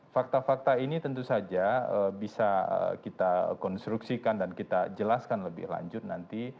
fakta fakta ini tentu saja bisa kita konstruksikan dan kita jelaskan lebih lanjut nanti